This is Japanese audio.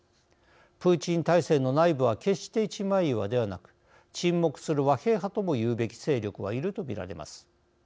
プーチン体制の内部は決して一枚岩ではなく沈黙する和平派ともいうべき勢力はいると見られます。